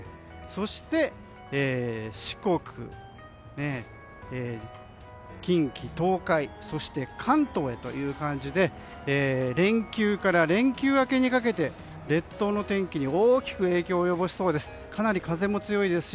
そして、四国、近畿、東海そして関東へという感じで連休から連休明けにかけて列島の天気に大きく影響を及ぼしそうです。